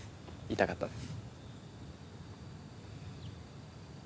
痛かったです。